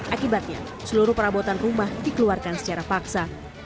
akibatnya seluruh perabotan rumah dikeluarkan secara paksa